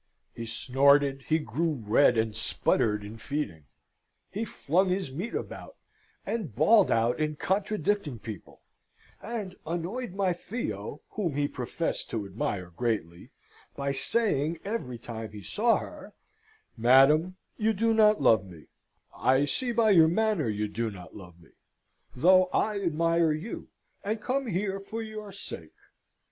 He snorted, he grew red, and sputtered in feeding; he flung his meat about, and bawled out in contradicting people: and annoyed my Theo, whom he professed to admire greatly, by saying, every time he saw her, "Madam, you do not love me; I see by your manner you do not love me; though I admire you, and come here for your sake.